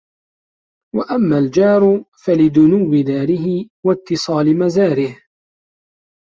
وَأَمَّا الْجَارُ فَلِدُنُوِّ دَارِهِ وَاتِّصَالِ مَزَارِهِ